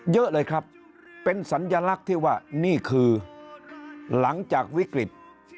เยอะเลยครับเป็นสัญลักษณ์ที่ว่านี่คือหลังจากวิกฤต